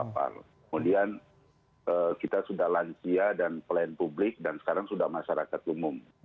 kemudian kita sudah lansia dan pelayan publik dan sekarang sudah masyarakat umum